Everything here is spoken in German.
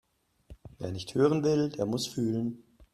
Wer nicht hören will, der muss fühlen.